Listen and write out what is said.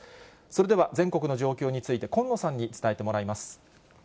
それでは全国の状況について、近野さんに伝えてもらいます。